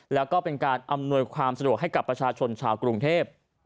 แล้วก็เป็นการอำนวยความสะดวกให้กับประชาชนชาวกรุงเทพ